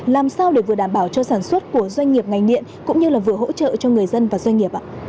làm sao để vừa đảm bảo cho sản xuất của doanh nghiệp ngành điện cũng như là vừa hỗ trợ cho người dân và doanh nghiệp ạ